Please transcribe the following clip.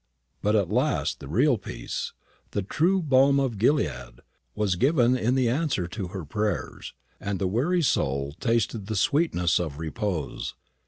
But at last the real peace, the true balm of Gilead, was given in answer to her prayers, and the weary soul tasted the sweetness of repose.